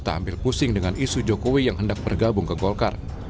tak ambil pusing dengan isu jokowi yang hendak bergabung ke golkar